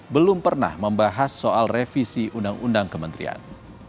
belum pernah membahas soal revisi undang undang kementerian